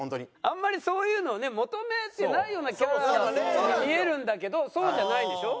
あんまりそういうのをね求めてないようなキャラに見えるんだけどそうじゃないんでしょ？